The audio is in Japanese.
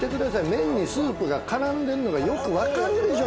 麺にスープが絡んでんのがよく分かるでしょ